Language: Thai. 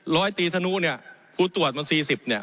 ร้อยตีธนุเนี่ยผู้ตรวจมันสี่สิบเนี่ย